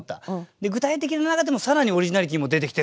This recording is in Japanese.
で具体的な中でも更にオリジナリティーも出てきてる。